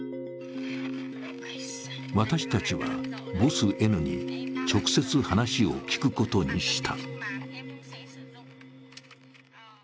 私たちはボスＮに直接話を聞くことにした。